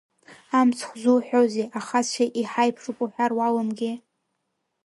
Амцхә зуҳәозеи, ахацәа иҳаиԥшуп уҳәар уалымгеи.